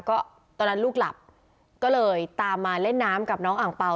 ก็ตอนนั้นลูกหลับก็เลยตามมาเล่นน้ำกับน้องอ่างเปล่า